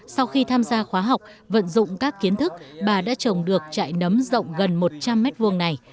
sau khi tham gia khóa học vận dụng các kiến thức bà đã trồng được trại nấm rộng gần một trăm linh m hai này